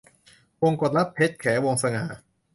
วงกตรัก - เพ็ญแข วงศ์สง่า